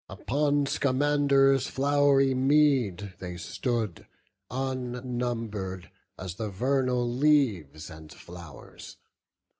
Upon Scamander's flow'ry mead they stood, Unnumber'd as the vernal leaves and flow'rs.